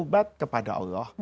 tawabat kepada allah